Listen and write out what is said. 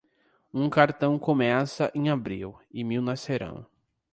Um cartão começa em abril e mil nascerão.